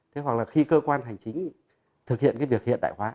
thế hoặc là khi cơ quan hành chính thực hiện cái việc hiện đại hóa